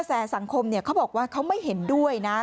แต่สังคมเขาบอกว่าเขาไม่เห็นด้วยนะ